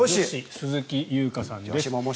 鈴木優花さんです。